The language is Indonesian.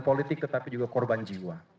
politik tetapi juga korban jiwa